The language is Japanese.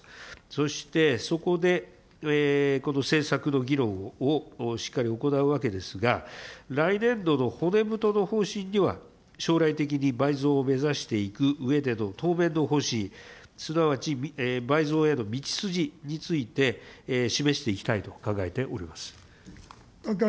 そしてそこでこの政策の議論をしっかり行うわけですが、来年度の骨太の方針には、将来的に倍増を目指していくうえでの当面の方針、すなわち倍増への道筋について示していきたいと考えております。